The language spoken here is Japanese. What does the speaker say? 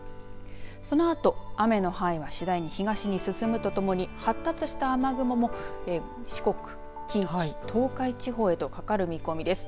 そのあと雨の範囲は次第に東に進むとともに発達した雨雲も四国、近畿、東海地方へとかかる見込みです。